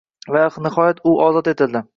Va nihoyat u ozod etildi